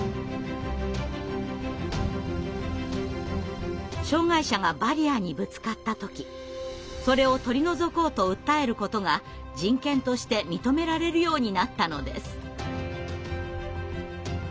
そして障害者がバリアにぶつかった時それを取り除こうと訴えることが人権として認められるようになったのです。